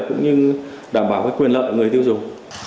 cũng như đảm bảo quyền lợi của người tiêu dùng